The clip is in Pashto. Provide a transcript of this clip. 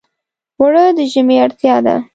اوړه د ژمي اړتیا ده